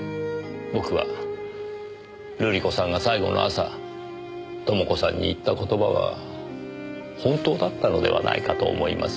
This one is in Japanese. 僕は瑠璃子さんが最後の朝朋子さんに言った言葉は本当だったのではないかと思います。